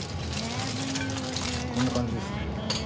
こんな感じですね。